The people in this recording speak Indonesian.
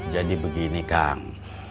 jadi begini kang